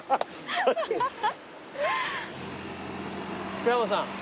福山さん。